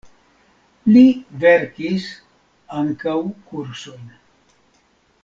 Li verkis ankaŭ kursojn.